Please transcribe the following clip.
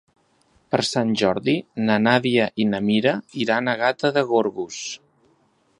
Per Sant Jordi na Nàdia i na Mira iran a Gata de Gorgos.